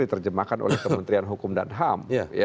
diterjemahkan oleh kementerian hukum dan ham